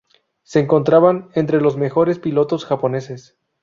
Se encontraban entre los mejores pilotos japoneses...